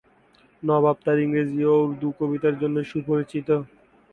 নবাব তার ইংরেজি ও উর্দু কবিতার জন্যও সুপরিচিত।